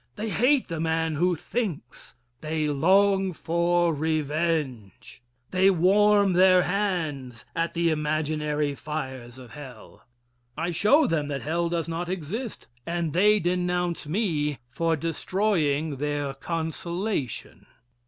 They hate the man who thinks. They long for revenge. They warm their hands at the imaginary fires of hell. I show them that hell does not exist and they denounce me for destroying their consolation.